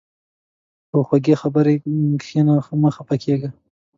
په خوږې خبرې کښېنه، خفه مه کوه.